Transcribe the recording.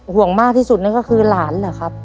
ห่วงมากที่สุดนั่นก็คือหลานเหรอครับ